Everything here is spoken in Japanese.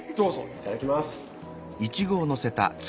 いただきます。